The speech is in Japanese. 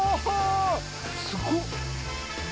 すごっ！